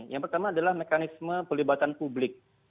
yang pertama adalah mekanisme pelibatan publik